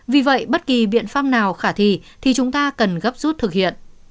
vì vậy bất kỳ biện pháp nào khả thi thì chúng ta cần gấp rút thực hiện